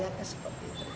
ya seperti itu